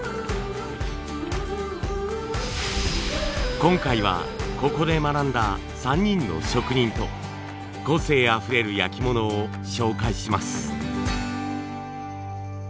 今回はここで学んだ３人の職人と個性あふれる焼き物を紹介します。